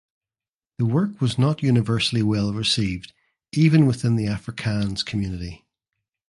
The work was not universally well received even within the Afrikaans community.